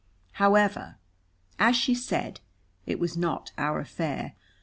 However, as she said, it was not our affair.